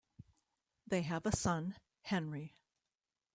They have a son, Henry.